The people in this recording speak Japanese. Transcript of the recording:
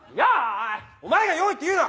お前が用意って言うな。